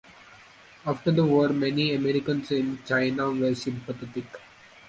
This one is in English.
After the war, many Americans in China were sympathetic.